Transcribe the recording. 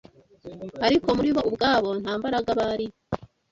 Ariko muri bo ubwabo, nta mbaraga bari